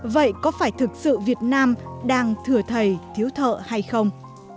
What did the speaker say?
vậy có phải thực sự việt nam đang thừa thầy thiếu thợ hay không